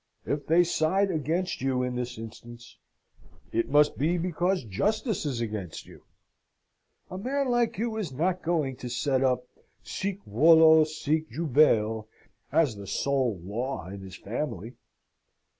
If they side against you in this instance, it must be because justice is against you. A man like you is not going to set up sic volo sic jubeo as the sole law in his family!"